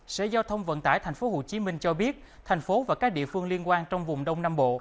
sở giao thông vận tải tp hcm cho biết thành phố và các địa phương liên quan trong vùng đông nam bộ